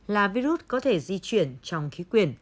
là virus có thể di chuyển trong khí quyển